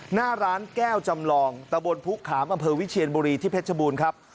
หน้าร้านแก้วจำลองตะบนภูขามอำเภอวิเชียนบุรีที่เพชรบูรณ์ครับ